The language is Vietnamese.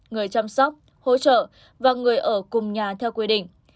người chăm sóc hỗ trợ và người ở cùng nhà theo quy định